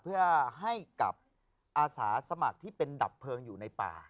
เพื่อให้กับอาสาสมัครที่เป็นดับเพลิงอยู่ในป่า